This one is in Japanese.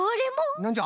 なんじゃ？